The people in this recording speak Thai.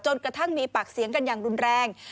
กระทั่งมีปากเสียงกันอย่างรุนแรง